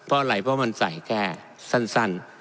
เพราะอะไรเพราะมันใส่แค่สั้น